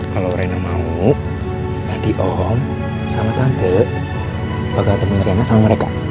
kalo reina mau nanti om sama tante bakal temen reina sama mereka